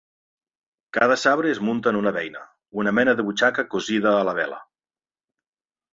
Cada sabre es munta en una beina, una mena de butxaca cosida a la vela.